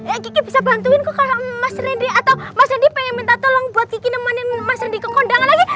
eh kiki bisa bantuin kok kalau mas randy atau mas randy pengen minta tolong buat kiki nemenin mas randy ke kondangan lagi